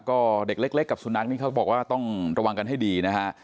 ก็เด็กเล็กกับสุนัขนี่เขาบอกว่าต้องระวังกันให้ดีนะฮะ